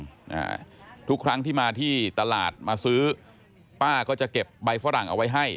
อ่าทุกครั้งที่มาที่ตลาดมาซื้อป้าก็จะเก็บใบฝรั่งเอาไว้ให้